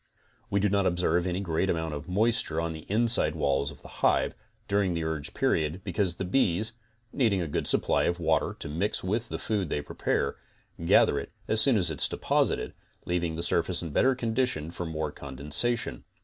We do not observe any great amount of moisture on the inside walls of the hive, during the urge period, because the bees, needing a good supply of water to mix with the food they prepare, gather it as soon as deposited, leaving the surface in better condition for more condensation.